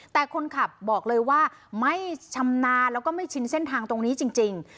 แต่คนขับบอกเลยว่าไม่ชำนาญแล้วก็ไม่ชินเส้นทางตรงนี้จริง